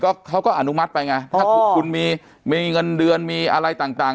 ก็เขาก็อนุมัติไปไงถ้าคุณมีมีเงินเดือนมีอะไรต่าง